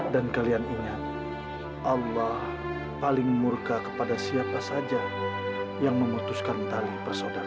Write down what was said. dan kalian ingat allah paling murka kepada siapa saja yang memutuskan tali persaudaraan